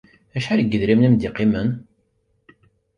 Acḥal n yedrimen i am-d-yeqqimen?